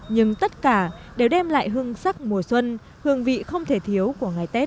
nhưng tất cả đều đem lại hương sắc mùa xuân hương vị không thể thiếu của ngày tết